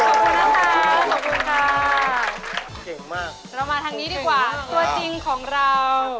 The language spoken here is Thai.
เรามาทางนี้ดีกว่าตัวจริงของเรา